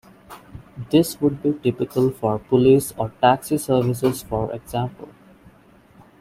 This would be typical for police or taxi services for example.